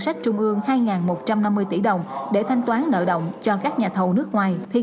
đặc biệt trong nước nước tây